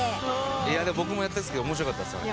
いや僕もやったんですけど面白かったですあれ。